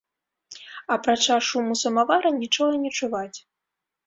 Апрача шуму самавара, нічога не чуваць.